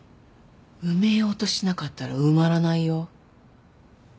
埋めようとしなかったら埋まらないよ。